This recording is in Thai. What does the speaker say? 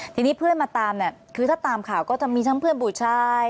ทีนี้เพื่อนมาตามเนี่ยคือถ้าตามข่าวก็จะมีทั้งเพื่อนผู้ชาย